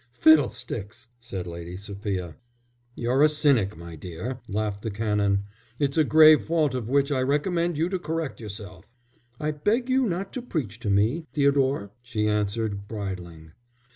"Fiddlesticks!" said Lady Sophia. "You're a cynic, my dear," laughed the Canon. "It's a grave fault of which I recommend you to correct yourself." "I beg you not to preach to me, Theodore," she answered, bridling.